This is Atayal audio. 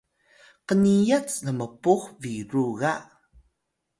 qniyat lmpux biru ga